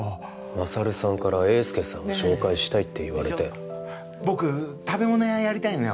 勝さんから英介さんを紹介したいって言われて僕食べ物屋やりたいのよ